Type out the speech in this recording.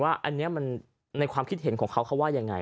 ว่าในความคิดเห็นของเขาว่าไง